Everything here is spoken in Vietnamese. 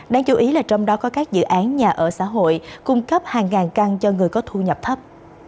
đáng chú ý là trong đó có các dự án nhà ở xã hội cung cấp hàng ngàn căn cho người có thu nhập thấp